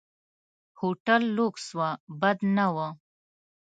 هوټل لکس و، بد نه و.